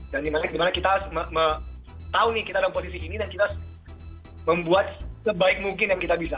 dan dimana kita tahu nih kita ada posisi ini dan kita membuat sebaik mungkin yang kita bisa